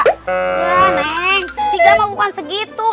wah neng tiga mah bukan segitu